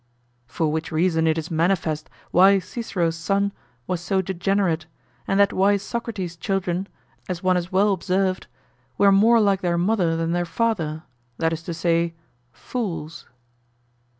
For which reason it is manifest why Cicero's son was so degenerate, and that wise Socrates' children, as one has well observed, were more like their mother than their father, that is to say, fools.